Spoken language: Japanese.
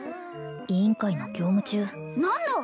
委員会の業務中何の！？